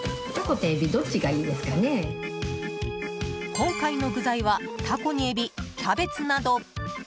今回の具材はタコにエビ、キャベツなど。